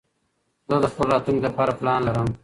زه د خپل راتلونکي لپاره پلان لرم.